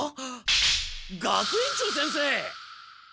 学園長先生！